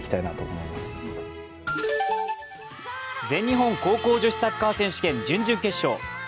全日本高校女子サッカー選手権準々決勝。